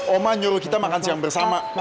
oma nyuruh kita makan siang bersama